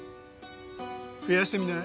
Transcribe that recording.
増やしてみない？